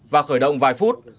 và khởi động vài phút